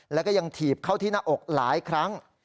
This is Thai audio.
แล้วก็ยังถีบเข้าที่หน้าอกหลายครั้ง